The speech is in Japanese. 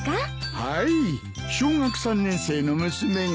はい小学３年生の娘が。